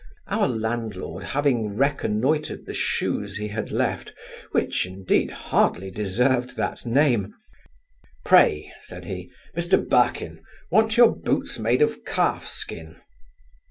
Our landlord, having reconnoitered the shoes he had left, which, indeed, hardly deserved that name, 'Pray (said he), Mr Birkin, wa'n't your boots made of calf skin?